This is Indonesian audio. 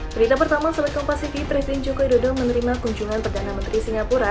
berita pertama sebagai kompastv presiden jokowi dodo menerima kunjungan perdana menteri singapura